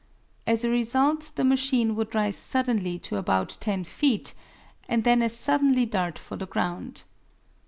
As a result the machine would rise suddenly to about ten feet, and then as suddenly dart for the ground.